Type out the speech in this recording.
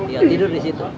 iya tidur di situ